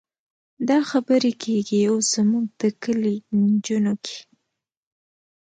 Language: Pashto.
دا خبرې کېږي اوس زموږ د کلي نجونو کې.